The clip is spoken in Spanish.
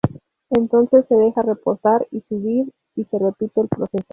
Entonces se deja reposar y subir, y se repite el proceso.